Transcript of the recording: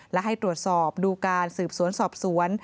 และให้ตรวจสอบดูการสืบสวนสอบสวน